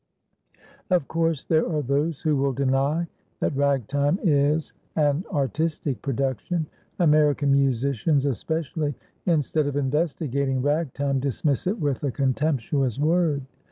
Of course, there are those who will deny that Ragtime is an artistic production. American musicians, especially, instead of investigating Ragtime, dismiss it with a contemptuous word.